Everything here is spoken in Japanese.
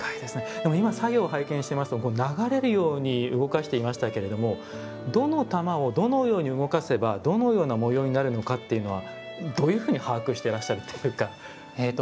でも今作業を拝見していますと流れるように動かしていましたけれどもどの玉をどのように動かせばどのような模様になるのかっていうのはどういうふうに把握していらっしゃるというか。